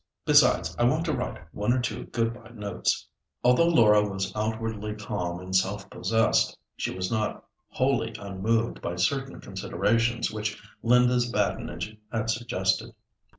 Besides I want to write one or two good bye notes." Although Laura was outwardly calm and self possessed, she was not wholly unmoved by certain considerations which Linda's badinage had suggested.